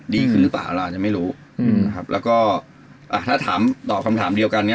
ดีขึ้นหรือเปล่าเราอาจจะไม่รู้อืมนะครับแล้วก็อ่าถ้าถามตอบคำถามเดียวกันเนี้ย